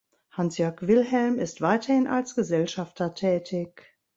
Hans-Jörg Wilhelm ist weiterhin als Gesellschafter tätig.